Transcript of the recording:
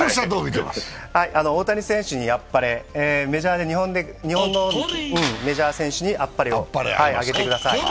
大谷選手にあっぱれ、日本のメジャー選手にあっぱれをあげてください。